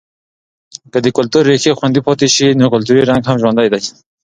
که که د کلتور ریښې خوندي پاتې شي، نو کلتوری رنګ هم ژوندی دی.